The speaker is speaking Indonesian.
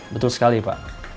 betul sekali pak